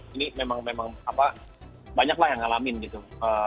ini memang memang banyak lah yang ngalamin gitu